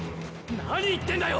何言ってんだよ！